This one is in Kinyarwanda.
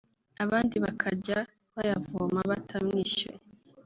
abandi bakajya bayavoma batamwishyuye